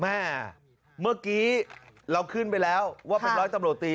เมื่อกี้เราขึ้นไปแล้วว่าเป็นร้อยตำรวจตี